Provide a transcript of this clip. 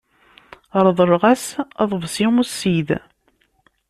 Reḍleɣ-as aḍebsi ussid.